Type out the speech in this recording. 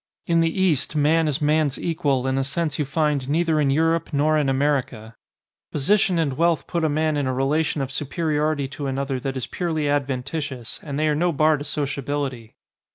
In the East man is man's equal in a sense you find neither in Europe nor in America. Position and wealth put a man in a 141 ON A CHINESE SCREEN relation of superiority to another that is purely adventitious, and they are no bar to sociability.